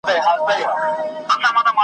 په نارو به یې خبر سمه او غر سو .